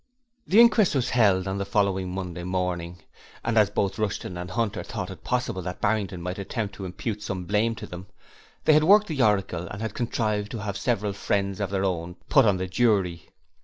The inquest was held on the following Monday morning, and as both Rushton and Hunter thought it possible that Barrington might attempt to impute some blame to them, they had worked the oracle and had contrived to have several friends of their own put on the jury.